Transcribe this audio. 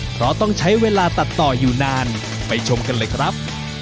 เพราะต้องใช้เวลาตัดต่ออยู่นานไปชมกันเลยครับ